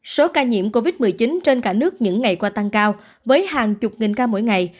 số ca nhiễm covid một mươi chín trên cả nước những ngày qua tăng cao với hàng chục nghìn ca mỗi ngày